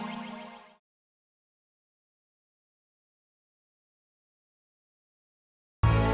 baik besides bea